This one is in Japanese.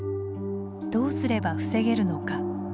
どうすれば防げるのか。